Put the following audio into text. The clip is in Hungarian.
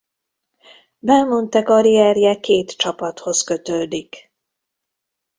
Belmonte karrierje két csapathoz kötődik.